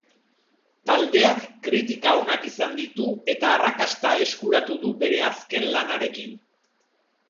Taldeak kritika onak izan ditu eta arrakasta eskuratu du bere azken lanekin.